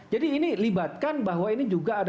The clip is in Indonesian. jadi ini libatkan bahwa ini juga ada